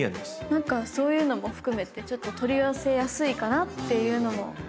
何かそういうのも含めて取り寄せやすいかなっていうのもあって。